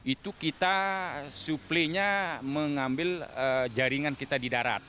itu kita suplainya mengambil jaringan kita di darat